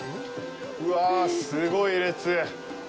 うわあ、すごい列。